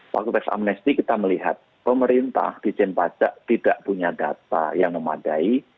waktu teks amnesti kita melihat pemerintah dijen pajak tidak punya data yang memadai